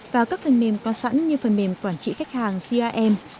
vào các phần mềm có sẵn như phần mềm quản trị khách hàng crm